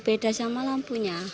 beda sama lampunya